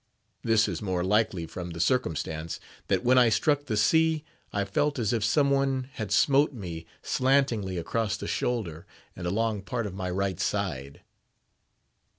This is more likely, from the circumstance, that when I struck the sea, I felt as if some one had smote me slantingly across the shoulder and along part of my right side.